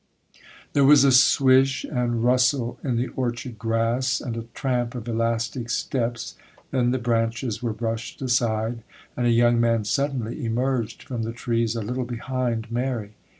There was a swish and rustle in the orchard grass, and a tramp of elastic steps; then the branches were brushed aside, and a young man suddenly emerged from the trees a little behind Mary.